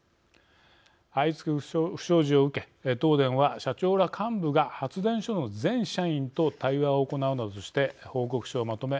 相次ぐ不祥事を受け東電は社長ら幹部が発電所の全社員と対話を行うなどして報告書をまとめ